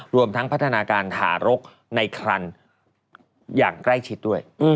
รวมทั้งพัฒนาการถารกในครันอย่างใกล้ชิดด้วย